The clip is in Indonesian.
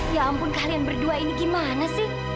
ya ampun kalian berdua ini gimana sih